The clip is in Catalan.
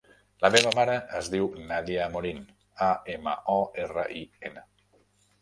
La meva mare es diu Nàdia Amorin: a, ema, o, erra, i, ena.